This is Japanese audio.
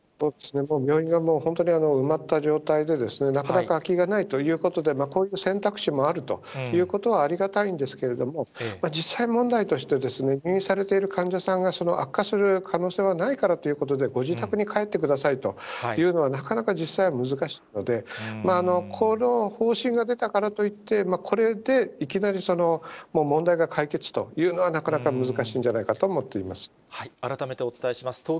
病院がもう、本当に埋まった状態で、なかなか空きがないということで、こういった選択肢もあるということは、ありがたいんですけれども、実際問題として、入院されている患者さんが、悪化する可能性はないからということで、ご自宅に帰ってくださいというのは、なかなか実際は難しいので、この方針が出たからといって、これでいきなり問題が解決というのは、なかなか難しいんじゃない改めてお伝えします。